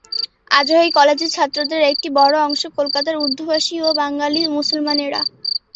আজও এই কলেজের ছাত্রদের একটি বড়ো অংশ কলকাতার উর্দুভাষী ও বাঙালি মুসলমানেরা।